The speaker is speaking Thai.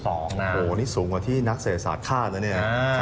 โอ้โหนี่สูงกว่าที่นักเศรษฐศาสตร์ฆาตนะเนี่ย